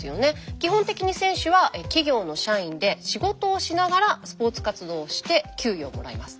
基本的に選手は企業の社員で仕事をしながらスポーツ活動をして給与をもらいます。